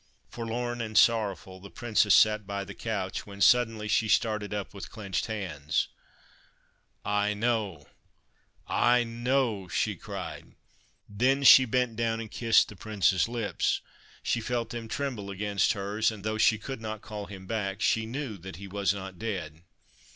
Forlorn and sorrowful the Princess sat by the couch, when suddenly she started up with clenched hands. ' I know I I know !' she cried. Then she bent down and kissed the Prince's lips. She felt them tremble against hers, and, though she could not call him back, she knew that he was not dead.